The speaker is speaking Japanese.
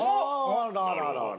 あらららら。